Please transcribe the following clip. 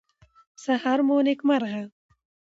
سهار مو نیکمرغه.